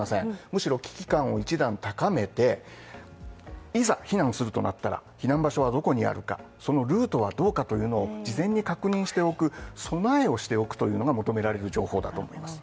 むしろ危機感を一段高めて、いざ避難するとなったら、避難場所はどこにあるか、そのルートはどうかという事前に確認しておく、備えをしておくということが求められる情報だと思います。